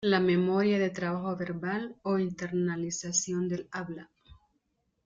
La memoria de trabajo verbal o internalización del habla.